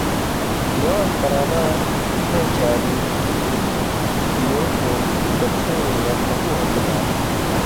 نِوان٘ز کران٘لاں ݜِݜَیں چاری بُو، مُوٹھیوں، دڇھیوں یا کھبُو ہتہۡ لا